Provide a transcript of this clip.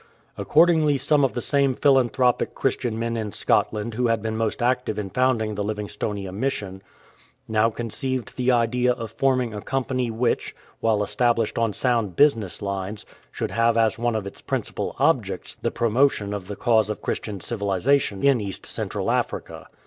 Accordingly some of the same philanthropic Christian men in Scotland who had been most active in founding the Livingstonia Mission now conceived the idea of forming a company which, while established on sound business lines, should have as one of its principal objects the promotion of the cause of Christian civilization in East Central Africa.